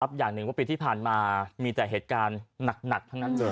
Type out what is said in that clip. อย่างหนึ่งว่าปีที่ผ่านมามีแต่เหตุการณ์หนักทั้งนั้นเลย